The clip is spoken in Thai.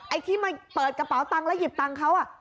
ไอ้ที่มาเปิดกระเป๋าตังค์แล้วหยิบตังค์เขา